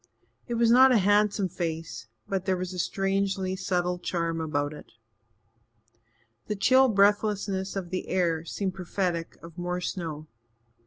It was not a handsome face, but there was a strangely subtle charm about it. The chill breathlessness of the air seemed prophetic of more snow.